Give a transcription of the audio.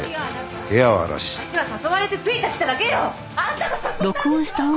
私は誘われてついてきただけよ！あんたが誘ったんでしょ！